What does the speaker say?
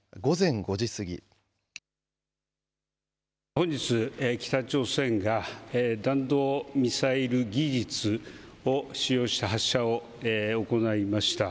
本日、北朝鮮が弾道ミサイル技術を使用した発射を行いました。